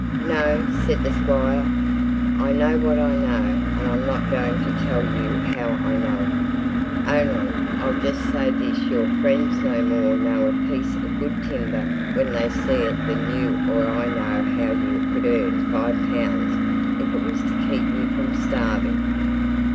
"No!" said the Squire. "I know what I know; and I'm not going to tell you how I know it. Only, I'll just say this your friends no more know a piece of good timber when they see it than you or I know how you could earn five pounds if it was to keep you from starving.